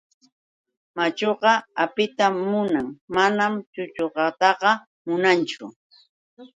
Machuqa apitan munan mana chuchuqataqa munanchu.